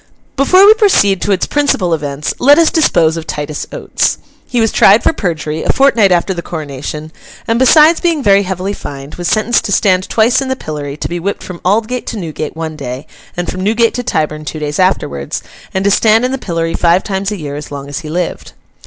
Before we proceed to its principal events, let us dispose of Titus Oates. He was tried for perjury, a fortnight after the coronation, and besides being very heavily fined, was sentenced to stand twice in the pillory, to be whipped from Aldgate to Newgate one day, and from Newgate to Tyburn two days afterwards, and to stand in the pillory five times a year as long as he lived.